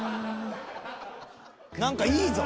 何かいいぞ。